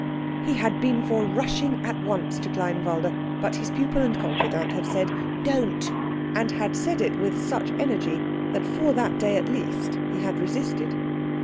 He had been for rushing at once to Kleinwalde; but his pupil and confidant had said "Don't," and had said it with such energy that for that day at least he had resisted.